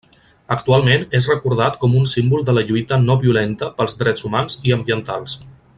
Actualment és recordat com un símbol de la lluita no-violenta pels drets humans i ambientals.